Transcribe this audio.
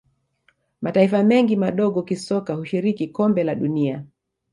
mataifa mengi madogo kisoka hushiriki kombe la dunia